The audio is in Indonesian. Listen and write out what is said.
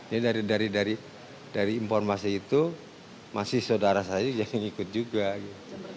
jadi dari dari dari informasi itu masih saudara saya yang ikut juga gitu